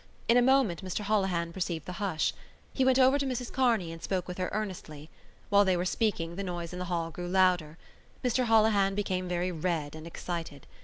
In a moment Mr Holohan perceived the hush. He went over to Mrs Kearney and spoke with her earnestly. While they were speaking the noise in the hall grew louder. Mr Holohan became very red and excited.